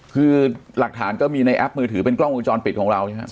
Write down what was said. คือหลักฐานก็มีในแอปมือถือเป็นกล้องวงจรปิดของเราใช่ไหมครับ